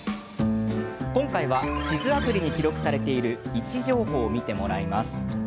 今回は地図アプリに記録されている位置情報を見てもらいます。